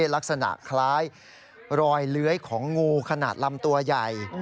ลักษณะคล้ายรอยเลื้อยของงูขนาดลำตัวใหญ่